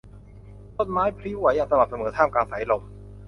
ต้นไม้พลิ้วไหวอย่างสม่ำเสมอท่ามกลางสายลม